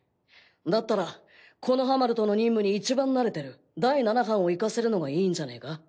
だったら木ノ葉丸との任務にいちばん慣れてる第七班を行かせるのがいいんじゃねえか？